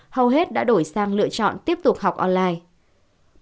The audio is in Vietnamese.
hầu hết đã đổi sang lựa chọn tiếp tục học online